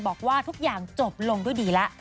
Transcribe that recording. บอกว่าทุกอย่างจบลงด้วยดีแล้ว